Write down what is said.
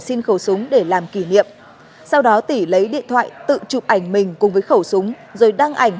xin khẩu súng để làm kỷ niệm sau đó tỉ lấy điện thoại tự chụp ảnh mình cùng với khẩu súng rồi đăng ảnh